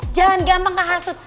jangan gampang kehasut